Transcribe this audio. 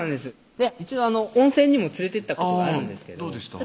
一度温泉にも連れてったことがあるんですけどどうでした？